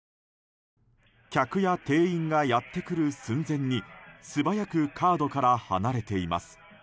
客や店員がやってくる寸前に素早くカードから離れています。